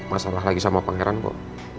masalah lagi sama pangeran kok